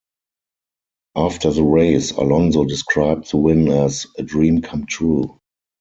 After the race, Alonso described the win as ..a dream come true.